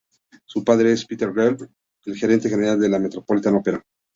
Su padre es Peter Gelb, el gerente general de la Metropolitan Opera.